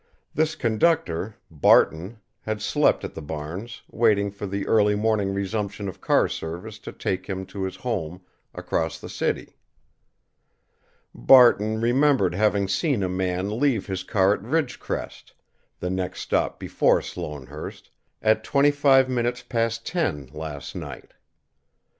This conductor, Barton, had slept at the barns, waiting for the early morning resumption of car service to take him to his home across the city. Barton remembered having seen a man leave his car at Ridgecrest, the next stop before Sloanehurst, at twenty five minutes past ten last night.